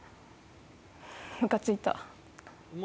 ムカついた。